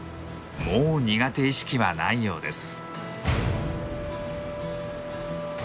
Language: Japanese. もう苦手意識はないようです。